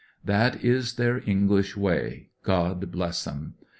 That is their English way — God bless them!